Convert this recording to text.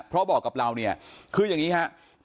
เพราะบอกกับเราเนี่ยคืออย่างนี้ครับ